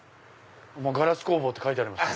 ガラス工房って書いてありました。